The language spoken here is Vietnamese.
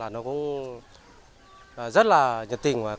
nó cũng rất là nhiệt tình